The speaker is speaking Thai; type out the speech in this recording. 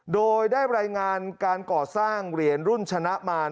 โดยได้รายงานการก่อสร้างเหรียญรุ่นชนะมาร